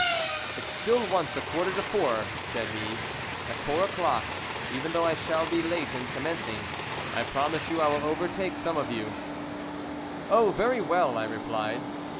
"It still wants a quarter to four," said he; "at four o'clock, even though I shall be late in commencing, I promise you I will overtake some of you." "Oh, very well!" I replied.